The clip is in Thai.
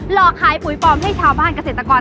ลอกลายภูติฟอมให้ชาวบ้านเกษตรกร